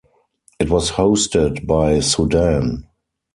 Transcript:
It was hosted by Sudan.